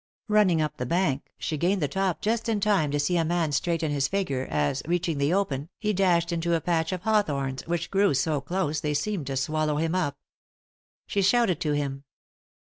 Running up the bank she gained the top just in time to see a man straighten his figure as, reaching the open, he dashed into a patch of hawthorns, which grew so close they seemed to swallow him up. She shouted to him.